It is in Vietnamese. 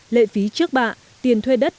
lệ phí trước bạ tiền thuê đất